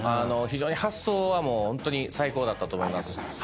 非常に発想はホントに最高だったと思います。